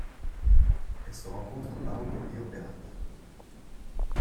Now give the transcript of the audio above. Elle se rencontre au Pahang et au Perak.